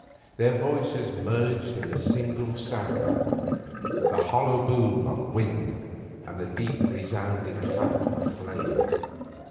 Their voices merged in a single sound the hollow boom of wind and the deep, resounding clap of flame.